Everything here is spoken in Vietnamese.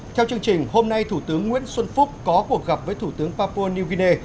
theo chương trình hôm nay thủ tướng nguyễn xuân phúc có cuộc gặp với thủ tướng papua new guinea